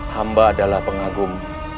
hamba adalah pengagum